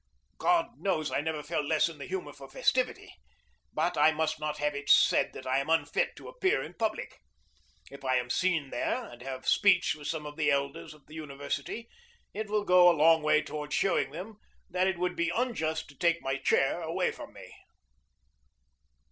God knows I never felt less in the humor for festivity, but I must not have it said that I am unfit to appear in public. If I am seen there, and have speech with some of the elders of the university it will go a long way toward showing them that it would be unjust to take my chair away from me.